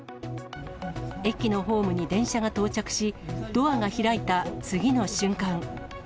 駅のホームに電車が到着し、ドアが開いた次の瞬間。